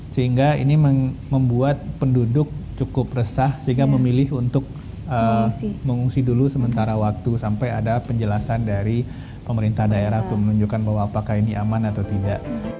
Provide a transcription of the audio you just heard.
sehingga ini membuat penduduk cukup resah sehingga memilih untuk mengungsi dulu sementara waktu sampai ada penjelasan dari pemerintah daerah untuk menunjukkan bahwa apakah ini aman atau tidak